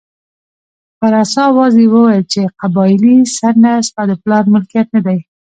په رسا اواز یې وویل چې قبایلي څنډه ستا د پلار ملکیت نه دی.